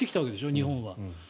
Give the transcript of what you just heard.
日本は。